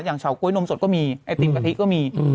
เฉาก๊วยนมสดก็มีไอติมกะทิก็มี